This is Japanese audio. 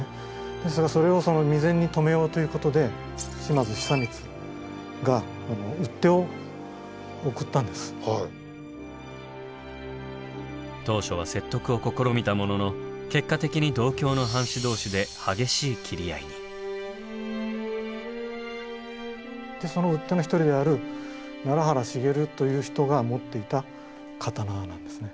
ですがそれを未然に止めようということで島津久光が当初は説得を試みたものの結果的に同郷のその討っ手の一人である奈良原繁という人が持っていた刀なんですね。